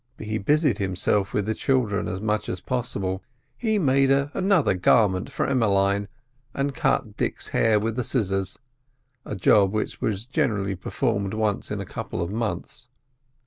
He busied himself with the children as much as possible. He made another garment for Emmeline, and cut Dick's hair with the scissors (a job which was generally performed once in a couple of months).